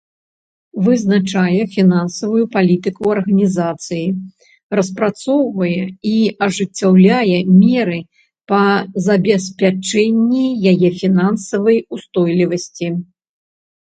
Вызначае фінансавую палітыку арганізацыі, распрацоўвае і ажыццяўляе меры па забеспячэнні яе фінансавай устойлівасці.